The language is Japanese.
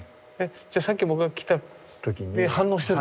じゃさっき僕が来た時には反応してた？